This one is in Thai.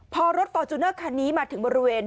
พอรถฟอร์จูเนอร์คันนี้มาถึงบริเวณ